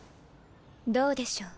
どうでしょう？